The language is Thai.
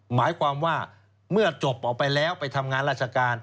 หมายความว่าเมื่อจบออกไปแล้วไปทำงานราชการ